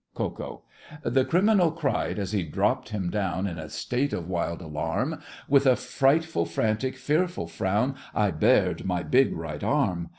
KO. The criminal cried, as he dropped him down, In a state of wild alarm— With a frightful, frantic, fearful frown, I bared my big right arm.